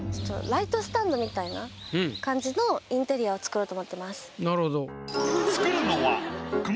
みたいな感じのインテリアを作ろうと思ってます。